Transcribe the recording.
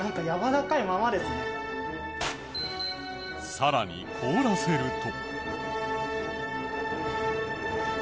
さらに凍らせると。